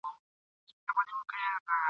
شپې مي په وعدو چي غولولې اوس یې نه لرم ..